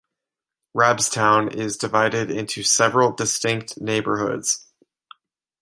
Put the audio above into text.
Robstown is divided into several distinct neighborhoods.